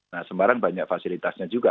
nah semarang banyak fasilitasnya juga